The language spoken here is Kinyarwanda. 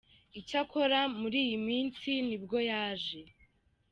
Icyakora muri iyi minsi ni bwo yaje.